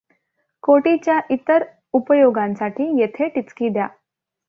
कोटीच्या इतर उपयोगांसाठी येथे टिचकी द्या.